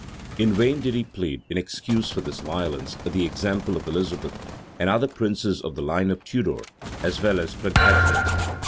[] In vain did he plead, in excuse for this violence, the example of Elizabeth, and other princes of the line of Tudor, as well as Plantagenet.